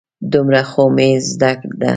دومره خو مې زده ده.